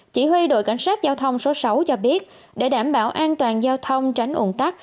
chỉ huy đội cảnh sát giao thông số sáu cho biết để đảm bảo an toàn giao thông tránh ủng tắc